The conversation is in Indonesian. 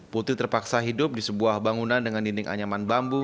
putri terpaksa hidup di sebuah bangunan dengan dinding anyaman bambu